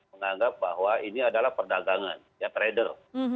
menganggap bahwa ini adalah perdagangan ya trader